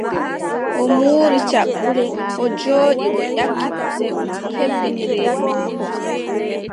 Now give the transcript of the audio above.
O muuri caɓɓule, o jooɗi o ƴakki kusel, o hebbini reedu maako.